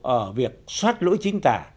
ở việc xoát lỗi chính tả